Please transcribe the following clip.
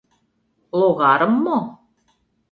Логарым мо?